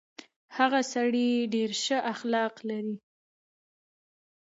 هغه سړی ډېر شه اخلاق لري.